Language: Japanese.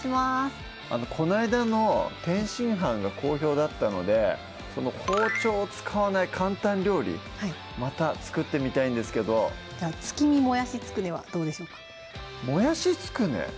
こないだの「天津飯」が好評だったので包丁を使わない簡単料理また作ってみたいんですけど「月見もやしつくね」はどうでしょうかもやしつくね？